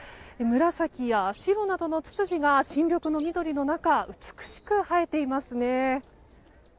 紫や白などのツツジが新緑の緑の中美しく映えていますね。